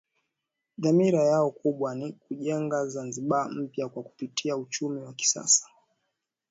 Dhamira yao kubwa ni kujenga Zanzibar mpya kwa kupitia uchumi wa kisasa